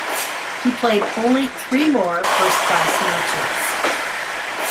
He played only three more first-class matches.